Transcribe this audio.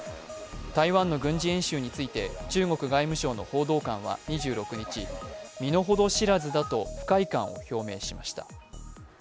台湾の軍事演習について中国外務省の報道官は２６日、身の程知らずだと不快感を表明しました。